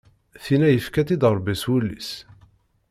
Tinna yefka-tt-id Rebbi s wul-is.